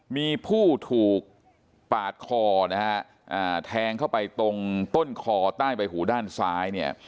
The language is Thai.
มีผู้ถูกปาดคอนะฮะแทงเข้าไปตรงต้นคอใต้ใบหูด้านซ้ายเนี่ย